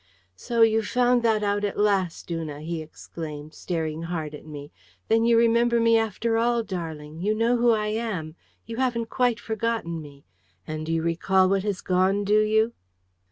"So you've found that out at last, Una!" he exclaimed, staring hard at me. "Then you remember me after all, darling! You know who I am. You haven't quite forgotten me. And you recall what has gone, do you?"